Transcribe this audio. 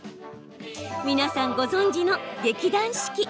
皆さんご存じの劇団四季。